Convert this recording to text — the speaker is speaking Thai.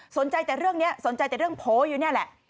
สนใจแต่เรื่องนี้สนใจแต่เรื่องโพลอยู่นี่แหละ